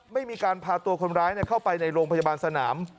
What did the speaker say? ไม่มีการพาตัวคนร้ายเข้าไปในโรงพยาบาลสนาม